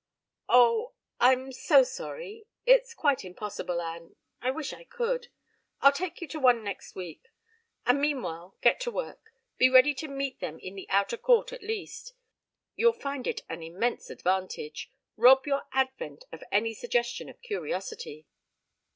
"Oh! ... I'm so sorry ... it's quite impossible, Anne. I wish I could. ... I'll take you to one next week. And meanwhile get to work. Be ready to meet them in the outer court at least. You'll find it an immense advantage rob your advent of any suggestion of curiosity."